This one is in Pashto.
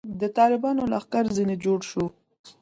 د طالبانو لښکر ځنې جوړ شو.